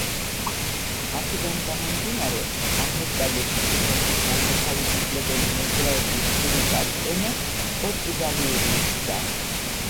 აქედან გამომდინარე, აღმოსავლეთ ტიმორის განმათავისუფლებელი მოძრაობის ძირითად ენად პორტუგალიური იქცა.